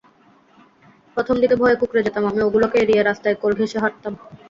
প্রথম দিকে ভয়ে কুঁকড়ে যেতাম আমি, ওগুলোকে এড়িয়ে রাস্তার কোল ঘেঁষে হাঁটতাম।